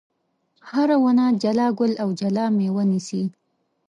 هره ونه جلا ګل او جلا مېوه نیسي.